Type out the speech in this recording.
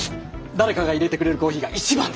誰かがいれてくれるコーヒーが一番です。